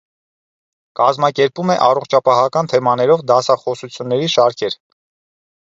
Կազմակերպում է առողջապահական թեմաներով դասաիտսությունների շարքեր։